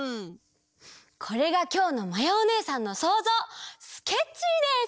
これがきょうのまやおねえさんのそうぞうスケッチーです！